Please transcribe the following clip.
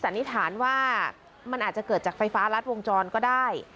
มันอาจจะเกิดจากไฟฟ้ารัดวงจรก็ได้